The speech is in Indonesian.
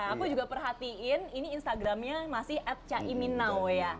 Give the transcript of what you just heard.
aku juga perhatiin ini instagramnya masih at ca imin now ya